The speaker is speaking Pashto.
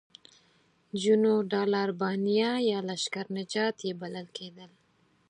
جنودالربانیه یا لشکر نجات یې بلل کېدل.